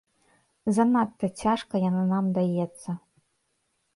Занадта цяжка яна нам даецца.